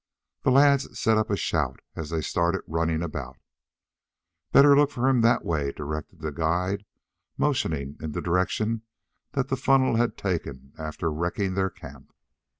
The lads set up a shout as they started running about "Better look for him that way," directed the guide, motioning in the direction that the funnel had taken after wrecking their camp.